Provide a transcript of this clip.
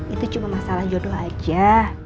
itu cuma masalah jodoh aja